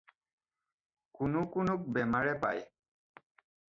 কোনো কোনোক বেমাৰে পায়।